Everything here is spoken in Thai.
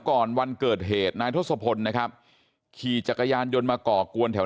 วันเกิดเหตุนายทศพลนะครับขี่จักรยานยนต์มาก่อกวนแถว